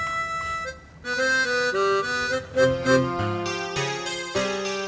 assalamualaikum warahmatullahi wabarakatuh